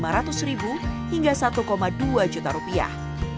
rp lima ratus ribu hingga satu dua juta rupiah